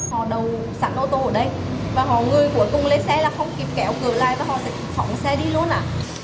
họ đầu sẵn ô tô ở đây và họ người cuối cùng lên xe là không kịp kéo cửa lại và họ sẽ phóng xe đi luôn ạ